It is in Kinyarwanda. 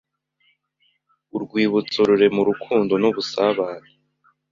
urwibutso rurema urukundo n’ubusabane,